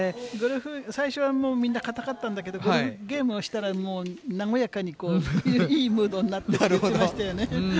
最初はもうみんな硬かったんだけど、ゴルフゲームをしたら、和やかにいいムードになったって言ってましたよね。